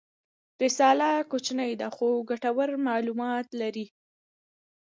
رساله کوچنۍ ده خو ګټور معلومات لري.